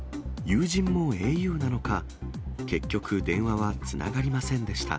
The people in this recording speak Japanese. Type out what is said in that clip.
友人もａｕなのか、結局、電話はつながりませんでした。